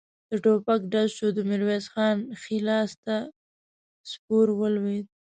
د ټوپک ډز شو، د ميرويس خان ښی لاس ته سپور ولوېد.